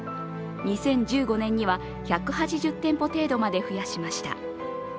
２０１５年には１８０店舗程度まで増やしました。